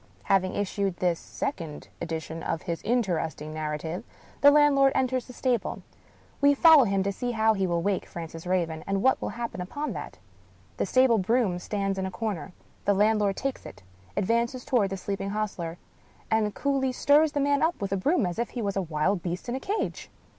Having issued this second edition of his interesting nar rative, the landlord enters the stable. We follow him to see how he will wake Francis Raven, and what will happen upon that. The stable broom stands in a corner ; the land lord takes it — ^advances toward the sleeping hostler — and coolly stirs the man up with a broom as if he was a wild beast in a cage.